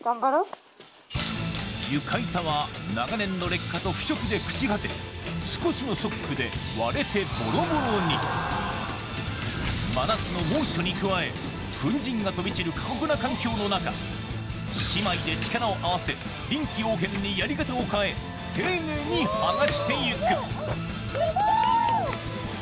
床板は長年の劣化と腐食で朽ち果て少しのショックで割れてボロボロに真夏のの中姉妹で力を合わせ臨機応変にやり方を変え丁寧にはがしていくやった！